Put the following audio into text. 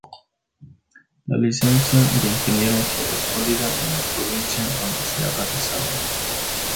La licencia de ingeniero solo es válida en la provincia donde se ha realizado.